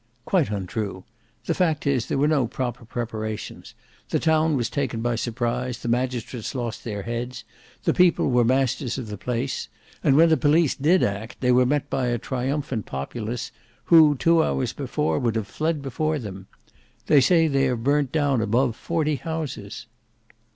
"Quite untrue: the fact is there were no proper preparations; the town was taken by surprise, the magistrates lost their heads; the people were masters of the place; and when the police did act, they were met by a triumphant populace, who two hours before would have fled before them. They say they have burnt down above forty houses."